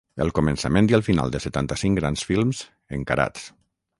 El començament i el final de setanta-cinc grans films, encarats.